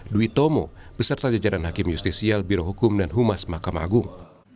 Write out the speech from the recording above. dwi tomo beserta jajaran hakim justisial birohukum dan humas mahkamah agung